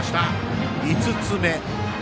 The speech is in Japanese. ５つ目。